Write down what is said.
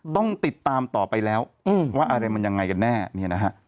ต้องติดตามต่อไปแล้วว่าอะไรมันอย่างไรกันแน่